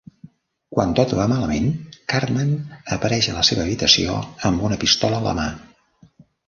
Quan tot va malament, Cartman apareix a la seva habitació amb una pistola a la mà.